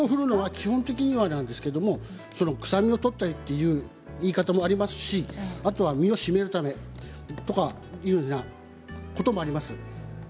基本的には臭みを取ったりというのもありますしあとは身を締めるためとかいうようなこともあります。